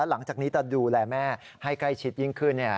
หลังจากนี้จะดูแลแม่ให้ใกล้ชิดยิ่งขึ้น